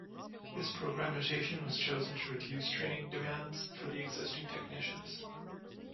This program notation was chosen to reduce training demands for the existing technicians.